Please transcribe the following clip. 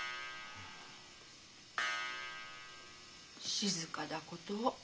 静かだごと。